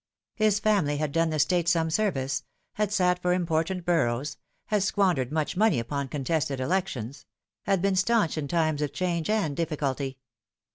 His family had done the State some service ; had sat for important boroughs ; had squandered much money upon contested elections ; had been staunch in times of change and difficulty.